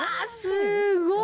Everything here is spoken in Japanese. すごい。